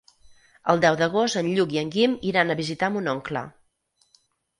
El deu d'agost en Lluc i en Guim iran a visitar mon oncle.